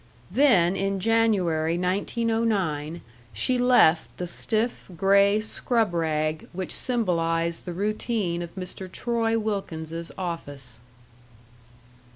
Then, in January, 1909, she left the stiff, gray scrub rag which symbolized the routine of Mr. Troy Wilkins's office.